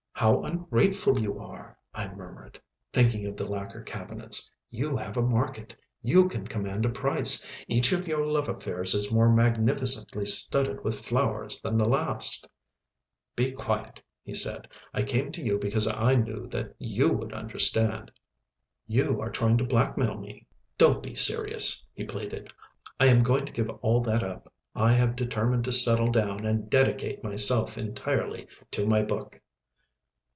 "How ungrateful you are," I murmured, thinking of the lacquer cabinets, "you have a market, you can command a price. Each of your love affairs is more magnificently studded with flowers than the last " "Be quiet," he said. "I came to you because I knew that you would understand." "You are trying to blackmail me." "Do be serious," he pleaded. "I am going to give all that up. I have determined to settle down and dedicate myself entirely to my book."